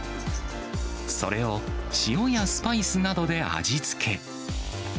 それを塩やスパイスなどで味付け。